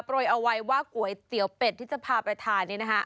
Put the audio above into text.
เอาไว้ว่าก๋วยเตี๋ยวเป็ดที่จะพาไปทานนี่นะคะ